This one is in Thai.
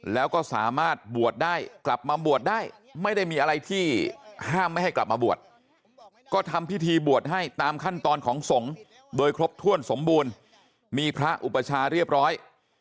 แล้วก็สามารถบวชได้กลับมาบวชได้ไม่ได้มีอะไรที่ห้ามไม่ให้กลับมาบวชก็ทำพิธีบวชให้ตามขั้นตอนของสงฆ์โดยครบถ้วนสมบูรณ์มีพระอุปชาเรียบร้อย